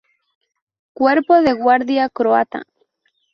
Cuerpo de Guardia Croata.